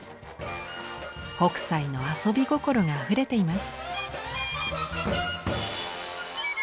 北斎の遊び心があふれています。